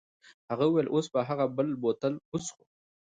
هغه وویل اوس به هغه بل بوتل وڅښو.